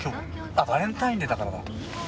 あっバレンタインデーだからだ。